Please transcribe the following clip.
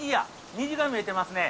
虹が見えてますね。